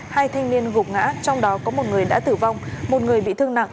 hai thanh niên gục ngã trong đó có một người đã tử vong một người bị thương nặng